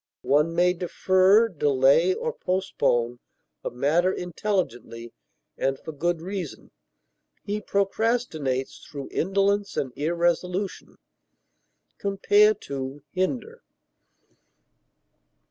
One may defer, delay, or postpone a matter intelligently and for good reason; he procrastinates through indolence and irresolution. Compare HINDER.